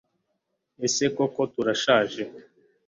Ese koko turashaje